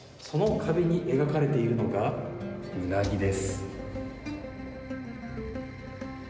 その壁に描かれているのがうなぎです。